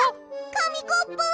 かみコップ！